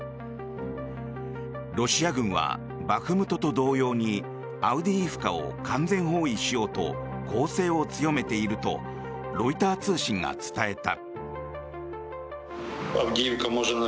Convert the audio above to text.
ロシア軍はバフムトと同様にアウディイフカを完全包囲しようと攻勢を強めているとロイター通信が伝えた。